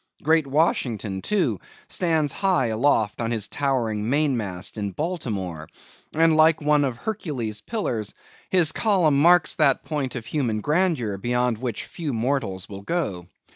Great Washington, too, stands high aloft on his towering main mast in Baltimore, and like one of Hercules' pillars, his column marks that point of human grandeur beyond which few mortals will go.